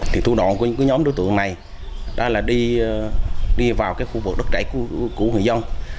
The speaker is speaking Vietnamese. thì thu đoạn của những nhóm đối tượng này là đi vào khu vực đất đáy của người dân